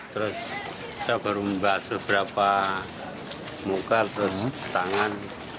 terus kita baru membahas beberapa muka terus tangan